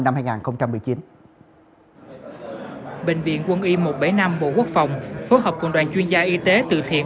bệnh viện quân y một trăm bảy mươi năm bộ quốc phòng phối hợp cùng đoàn chuyên gia y tế từ thiện